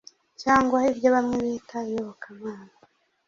cyangwa ibyo bamwe bita iyobokamana